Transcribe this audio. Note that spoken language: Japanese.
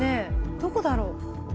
どこだろう？